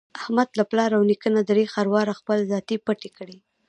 احمد له پلار او نیکه نه درې خرواره خپل ذاتي پټی لري.